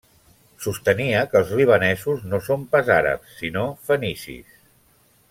Sostenia que els libanesos no són pas àrabs, sinó fenicis.